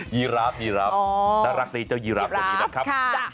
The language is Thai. ยีราฟน่ารักในเจ้ายีราฟกว่านี้นะครับ